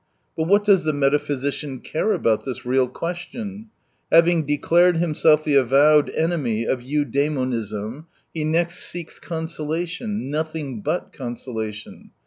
But what does the metaphysician care about this real question ! Having declared himself the avowed enemy of eudaemonism, he next seeks consolation, nothing but consolation.